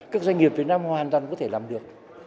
các doanh nghiệp việt nam hoàn toàn có thể làm được